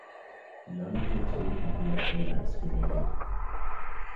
None of the two have yet been excavated.